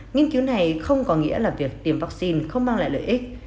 nghiên cứu này không có nghĩa là việc tiêm vaccine không mang lại lợi ích